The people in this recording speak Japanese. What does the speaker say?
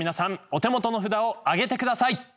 お手元の札を挙げてください。